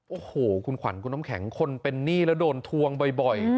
โอ้โหคุณขวัญคุณน้ำแข็งคนเป็นหนี้แล้วโดนทวงบ่อย